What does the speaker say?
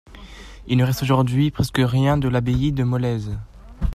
Il ne reste aujourd’hui presque rien de l'abbaye de Molaise.